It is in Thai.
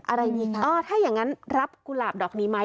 อะไรดีคะเออถ้าอย่างนั้นรับกุหลาบดอกนี้ไหม